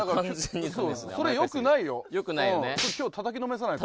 それよくないよ。